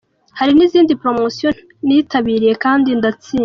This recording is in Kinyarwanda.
Hari nizindi promosiyo nitabiriye kandi ndatsinda.